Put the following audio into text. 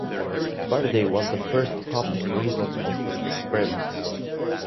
Faraday was the first to publish the results of his experiments.